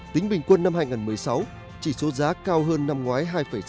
tính bình quân năm hai nghìn một mươi sáu chỉ số giá cao hơn năm ngoái hai sáu mươi sáu